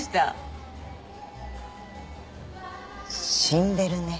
死んでるね。